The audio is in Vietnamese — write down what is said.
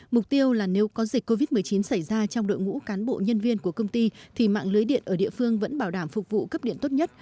mục tiêu là nếu có dịch covid một mươi chín xảy ra trong đội ngũ cán bộ nhân viên của công ty thì mạng lưới điện ở địa phương vẫn bảo đảm phục vụ cấp điện tốt nhất